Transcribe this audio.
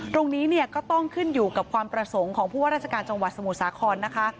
ตรงนี้เนี่ยก็ต้องขึ้นอยู่กับความประสงค์ของผู้ว่าราชการจังหวัดสมุทรสาครนะคะ